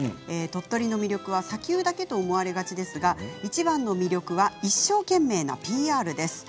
鳥取の魅力は砂丘だけと思われがちですがいちばんの魅力は一生懸命なＰＲです。